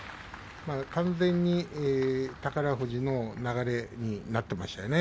完全に宝富士の流れになっていましたね。